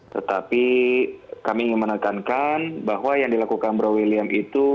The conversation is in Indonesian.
tetapi kami ingin menekankan bahwa yang dilakukan bro william itu